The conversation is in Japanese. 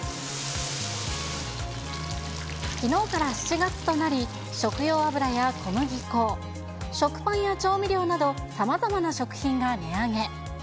きのうから７月となり、食用油や小麦粉、食パンや調味料など、さまざまな食品が値上げ。